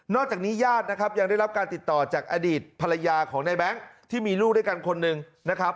จากนี้ญาตินะครับยังได้รับการติดต่อจากอดีตภรรยาของในแบงค์ที่มีลูกด้วยกันคนหนึ่งนะครับ